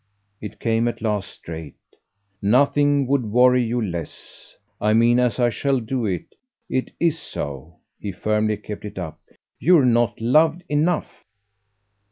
It came at last straight. "Nothing would worry you less. I mean as I shall do it. It IS so" he firmly kept it up. "You're not loved enough."